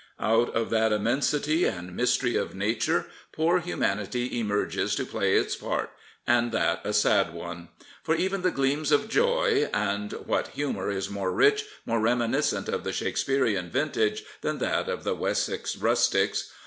Out of that immensity and mystery of Nature, poor humanity emerges to play its part, and that a sad one. For even the gleams of joy — and what humour is more rich, more reminiscent of the Shakespearean vintage than that of the Wessex rustics?